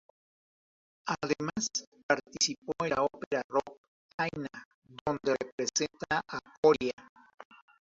Además participó en la opera rock Aina, donde representa a "Oria".